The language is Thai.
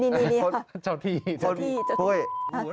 จ้าวที่จ้าวที่เฮ้ยงูรั้งอย่างงี้ป่ะ